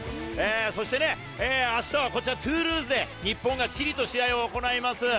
そして、あしたはトゥールーズで日本がチリと試合を行います。